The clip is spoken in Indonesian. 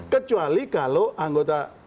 kecuali kalau anggota